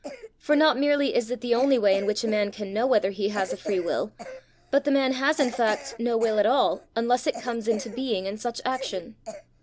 For not merely is it the only way in which a man can know whether he has a free will, but the man has in fact no will at all unless it comes into being in such action."